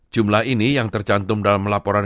jumlah ini yang tercantum dalam laporan